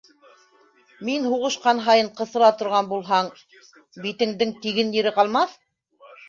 Мин һуғышҡан һайын ҡыҫыла торған булһаң, битеңдең тиген ере ҡалмаҫ!